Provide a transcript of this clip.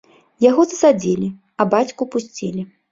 Яго засадзілі, а бацьку пусцілі.